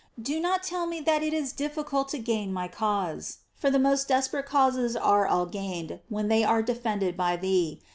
Do not tell me that it is difficult to gain my cause, for the most desperate causes are all gained when they are defended by thee.